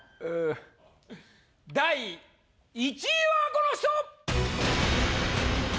第１位はこの人！